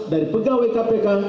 dari pegawai kpk